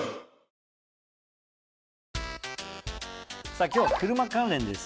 さぁ今日は車関連です。